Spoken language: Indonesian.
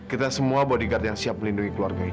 kita semua bodyguard yang siap melindungi keluarga ini